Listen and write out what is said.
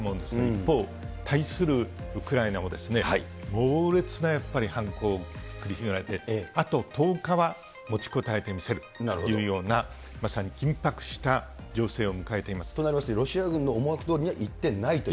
一方、対するウクライナも猛烈なやっぱりはんこうをくりひろげられて、１０日は持ちこたえてみせるというような、まさに緊迫した情勢をとなりますと、ロシア軍の思惑どおりにはいってないと？